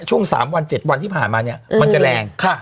ช่วงสามวันเจ็ดวันที่ผ่านมาเนี่ยมันจะแรงค่ะ